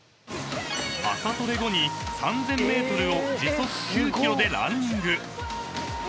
［朝トレ後に３，０００ｍを時速９キロでランニング］